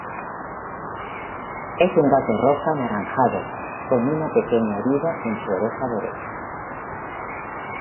Es un gato rojo anaranjado con una pequeña herida en su oreja derecha.